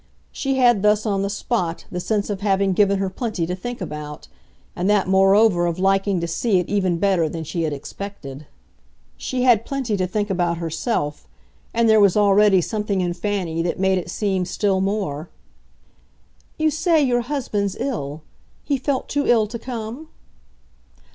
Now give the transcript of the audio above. She had thus, on the spot, the sense of having given her plenty to think about, and that moreover of liking to see it even better than she had expected. She had plenty to think about herself, and there was already something in Fanny that made it seem still more. "You say your husband's ill? He felt too ill to come?"